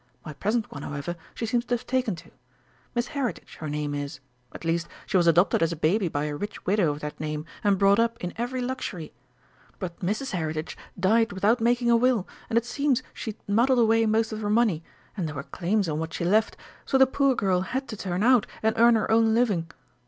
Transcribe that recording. My present one, however, she seems to have taken to. Miss Heritage, her name is at least she was adopted as a baby by a rich widow of that name, and brought up in every luxury. But Mrs. Heritage died without making a will, and it seems she'd muddled away most of her money, and there were claims on what she left, so the poor girl had to turn out, and earn her own living.